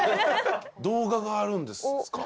動画があるんですか？